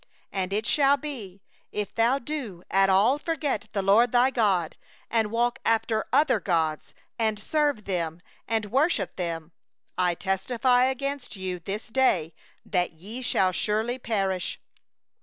19And it shall be, if thou shalt forget the LORD thy God, and walk after other gods, and serve them, and worship them, I forewarn you this day that ye shall surely perish.